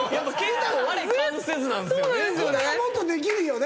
福田がもっとできるよね。